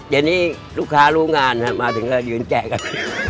เดี๋ยวนี้ลูกค้ารู้งานมาถึงก็ยืนแจกกัน